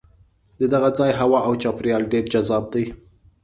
د دغه ځای هوا او چاپېریال ډېر جذاب دی.